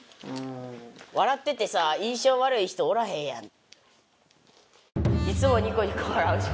笑っててさ印象悪い人おらへんやん。